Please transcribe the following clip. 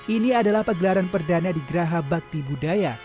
ini adalah pegelaran perdana di geraha bakti budaya